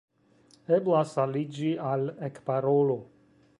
Eblas aliĝi al Ekparolu!